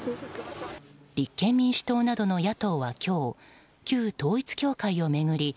立憲民主党などの野党は今日旧統一教会を巡り